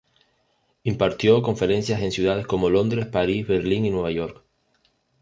Impartió conferencias en ciudades como Londres, París, Berlín y Nueva York.